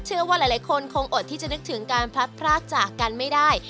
เชื่อว่าหลายคนคงอดที่จะนึกถึงการพลัดพรากจากกันไม่ได้